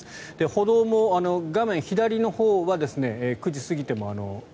歩道も画面左のほうは９時過ぎても。